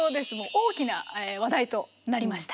大きな話題となりました。